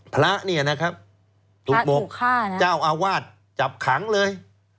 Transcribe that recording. พระเนี่ยนะครับถูกบอกเจ้าอาวาสจับขังเลย